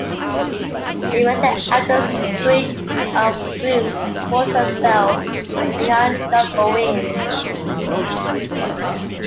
She rented out a suite of rooms to support herself and young John Owen.